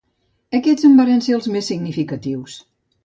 Aquests en varen ser els més significatius.